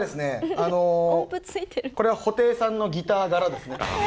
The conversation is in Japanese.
あのこれは布袋さんのギター柄ですね。